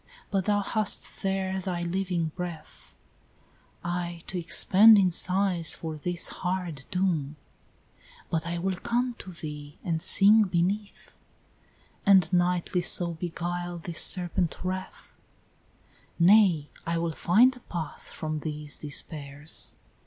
but thou hast there thy living breath " "Aye to expend in sighs for this hard doom; " "But I will come to thee and sing beneath," "And nightly so beguile this serpent wreath; " "Nay, I will find a path from these despairs."